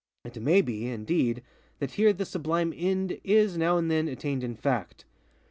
It _may _be, indeed, that here this sublime end is, now and then, attained in _fact.